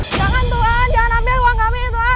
jangan tuhan jangan ambil uang kami ini tuhan